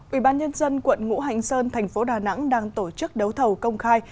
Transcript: ủy ban nhân dân quận ngũ hạnh sơn thành phố đà nẵng đang tổ chức đấu thầu công khai